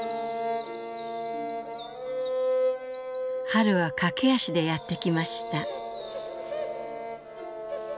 「春は駆け足でやってきました」。